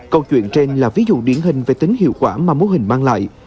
câu chuyện trên là ví dụ điển hình về tính hiệu quả mà mô hình mang lại